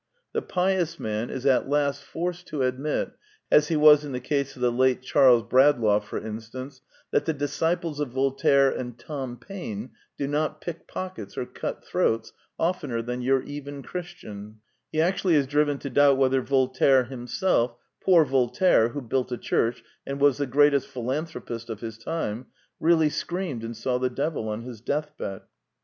The pious man is at lo The Quintessence of Ibsenism last forced to admit — as he was in the case of the late Charles Bradlaugh, for instance — that the disciples of Voltaire and Tom Paine do not pick pockets or cut throats oftener than your even Christian : he actually is driven to doubt whether Voltaire himself (poor Voltaire, who built a church, and was the greatest philanthropist of his dmel) really screamed and saw the devil on his deathbed.